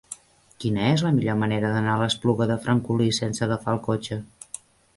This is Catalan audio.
Quina és la millor manera d'anar a l'Espluga de Francolí sense agafar el cotxe?